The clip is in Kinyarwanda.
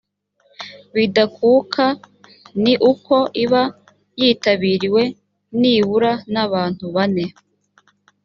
bidakuka ni uko iba yitabiriwe nibura nabantu bane